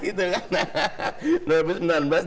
karena ini memang jelas gitu